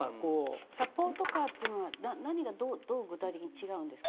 サポートカーっていうのは何がどう具体的に違うんですか？